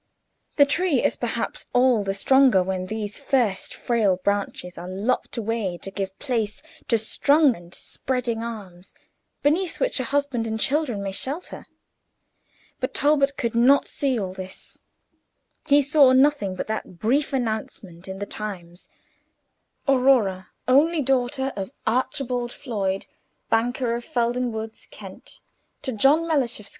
The tree is perhaps all the stronger when these first frail branches are lopped away to give place to strong and spreading arms, beneath which a husband and children may shelter. But Talbot could not see all this. He saw nothing but that brief announcement in the Times: "Aurora, only daughter of Archibald Floyd, Banker, of Felden Woods, Kent, to John Mellish, Esq.